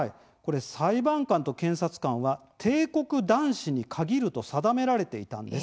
裁判官と検察官は帝国男子に限ると定められていたんです。